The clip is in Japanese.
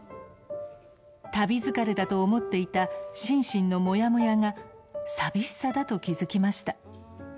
旅疲れだと思っていた心身のモヤモヤが寂しさだと気付きました。